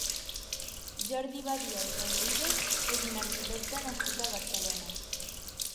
Jordi Badia i Rodríguez és un arquitecte nascut a Barcelona.